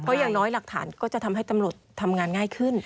เพราะอย่างน้อยหลักฐานก็จะทำให้ตำรวจทำงานง่ายขึ้น